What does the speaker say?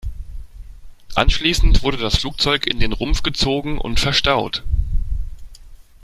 Anschließend wurde das Flugzeug in den Rumpf gezogen und verstaut.